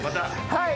はい！